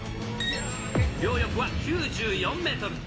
両翼は９４メートル。